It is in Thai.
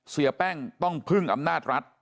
เสียแป้งต้องพึ่งอำนาจรัฐ